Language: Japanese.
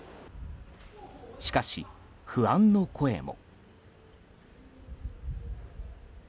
しかし、不安の声も。